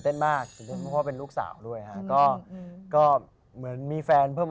เต้นมากเพราะว่าเป็นลูกสาวด้วยก็ก็เหมือนมีแฟนเพิ่ม